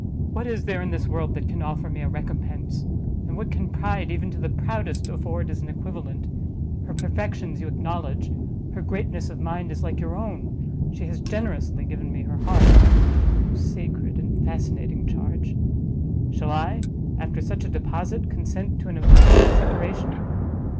What is there in this world that can offer me a recompense? And what can pride even to the proudest afford as an equivalent? Her perfections you acknowledge, her greatness of mind is like your own; she has generously given me her heart, Oh sacred and fascinating charge! Shall I, after such a deposite, consent to an eternal separation?